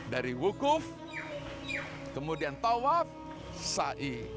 dari wukuf kemudian tawaf sa'i